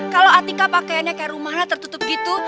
kalau atika pakaiannya kayak rumahnya tertutup gitu